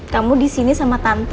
kamu di sini sama tante